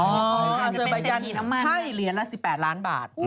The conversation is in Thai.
หาเซอร์บายันให้เหรียญละ๑๘ล้านบาท